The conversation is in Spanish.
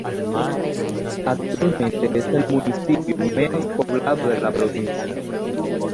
Actualmente es el municipio menos poblado de la provincia.